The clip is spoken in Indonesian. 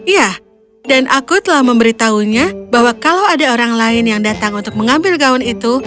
ya dan aku telah memberitahunya bahwa kalau ada orang lain yang datang untuk mengambil gaun itu